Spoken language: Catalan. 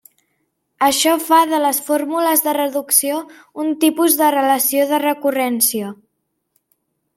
Això fa de les fórmules de reducció un tipus de relació de recurrència.